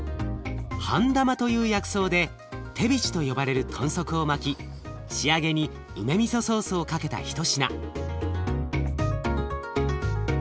ハンダマという薬草でテビチと呼ばれる豚足を巻き仕上げに梅みそソースをかけた一品。